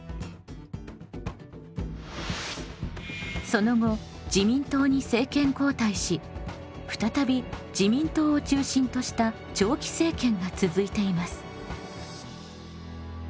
その後自民党に政権交代し再び自民党を中心とした長期政権が続いています。